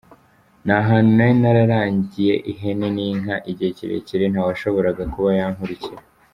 Ni ahantu nari nararagiye ihene n’inka igihe kirekire ntawashoboraga kuba yankurikira.